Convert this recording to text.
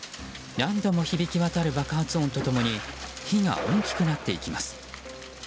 何度も響き渡る爆発音と共に火が大きくなっていきます。